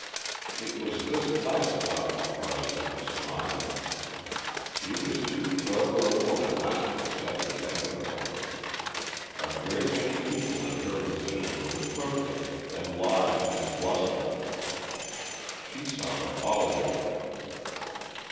It was this last thought that caused her to smile. She was too clever a woman not to accept the inevitable. A great many people in her position would have protested and lied and blustered. She saw the folly of it.